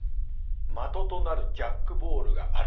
的となるジャックボールがある。